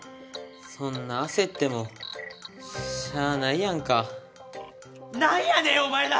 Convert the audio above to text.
そんな焦ってもしゃあないやなんやねんお前ら！